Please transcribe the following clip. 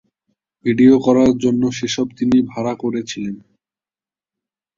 Video করার জন্য সেসব তিনি ভাড়া করেছিলেন।